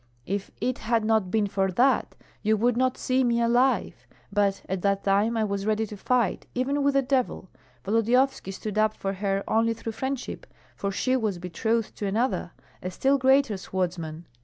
If it had not been for that, you would not see me alive. But at that time I was ready to fight, even with the devil. Volodyovski stood up for her only through friendship, for she was betrothed to another, a still greater swordsman.